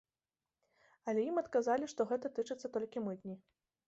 Але ім адказалі, што гэта тычыцца толькі мытні.